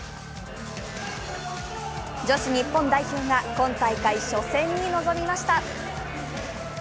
女子日本代表が今大会初戦に臨みました。